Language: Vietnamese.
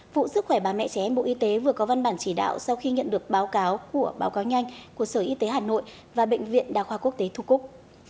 vụ sức khỏe bà mẹ trẻ em bộ y tế vừa có văn bản chỉ đạo sau khi nhận được báo cáo của báo cáo nhanh của sở y tế hà nội và bệnh viện đa khoa quốc tế thu cúc